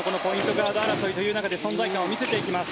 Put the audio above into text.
ガード争いという中で存在感を見せていきます。